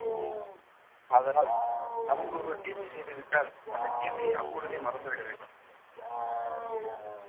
ஆதலால் நமக்கு ஒருவர் தீமை செய்துவிட்டால் அந்தத் தீமையை அப்பொழுதே மறந்துவிட வேண்டும்.